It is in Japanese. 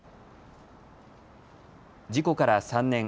事故から３年。